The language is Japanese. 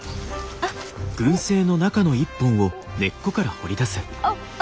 あっあっ！